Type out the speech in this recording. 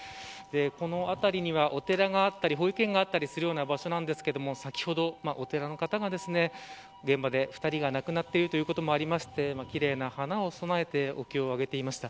この辺りには、お寺があったり保育園があったりする場所ですが先ほど、お寺の方が現場で２人が亡くなっているということもありまして奇麗な花を供えてお経をあげていました。